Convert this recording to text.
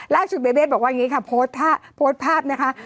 ล่าสุดเบเบบอกว่าอย่างงี้ค่ะโพสภาพนะคะ